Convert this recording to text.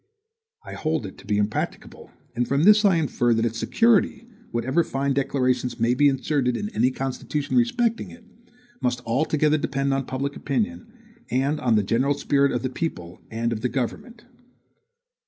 I hold it to be impracticable; and from this I infer, that its security, whatever fine declarations may be inserted in any constitution respecting it, must altogether depend on public opinion, and on the general spirit of the people and of the government.